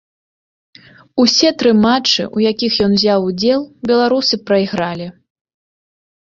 Усе тры матчы, у якіх ён узяў удзел, беларусы прайгралі.